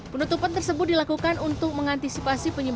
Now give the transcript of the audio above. penutupan tersebut dilakukan untuk mengantisipasi penyebaran